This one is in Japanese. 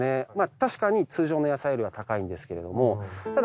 確かに通常の野菜よりは高いんですけれどもただ。